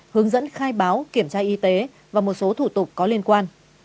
hướng dẫn khai báo kiểm tra y tế và một số thủ tục có liên quan